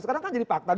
sekarang kan jadi fakta